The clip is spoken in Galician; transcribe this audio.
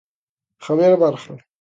Javier Barja.